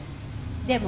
でも。